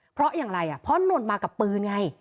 เพราะอย่างไรเพราะนนท์มากับปืนไง